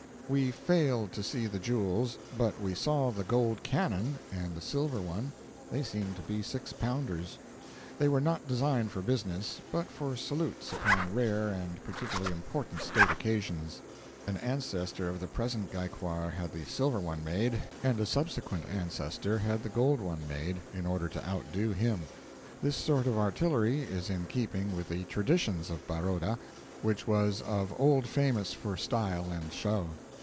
We failed to see the jewels, but we saw the gold cannon and the silver one they seemed to be six pounders. They were not designed for business, but for salutes upon rare and particularly important state occasions. An ancestor of the present Gaikwar had the silver one made, and a subsequent ancestor had the gold one made, in order to outdo him. This sort of artillery is in keeping with the traditions of Baroda, which was of old famous for style and show.